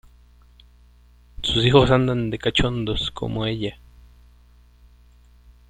Tiene seis hijos y seis nietos.